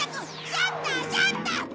シャッターシャッター！